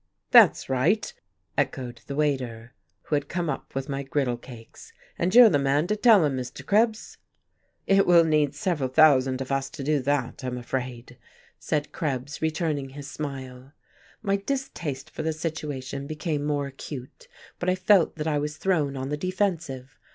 "That's right!" echoed the waiter, who had come up with my griddle cakes. "And you're the man to tell 'em, Mr. Krebs." "It will need several thousand of us to do that, I'm afraid," said Krebs, returning his smile. My distaste for the situation became more acute, but I felt that I was thrown on the defensive.